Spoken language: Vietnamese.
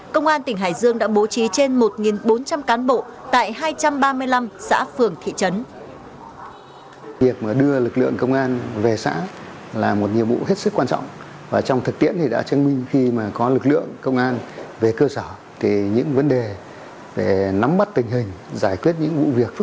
công an tỉnh hải dương đã bố trí trên một bốn trăm linh cán bộ